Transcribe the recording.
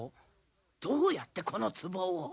どうやってこの壺を？